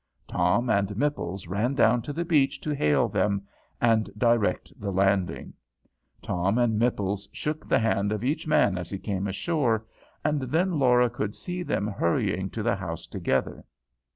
Tom and Mipples ran down to the beach to hail them, and direct the landing. Tom and Mipples shook the hand of each man as he came ashore, and then Laura could see them hurrying to the house together.